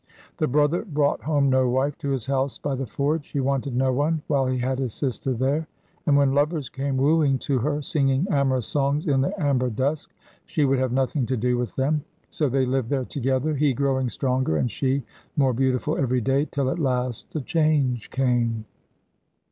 The brother brought home no wife to his house by the forge. He wanted no one while he had his sister there, and when lovers came wooing to her, singing amorous songs in the amber dusk, she would have nothing to do with them. So they lived there together, he growing stronger and she more beautiful every day, till at last a change came.